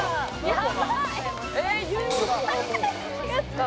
やばい！